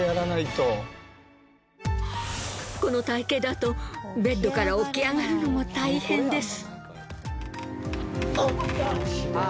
この体型だとベッドから起き上がるのも大変です。